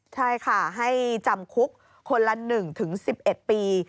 ใช่ค่ะให้จำคุกคนละ๑๑๑ปี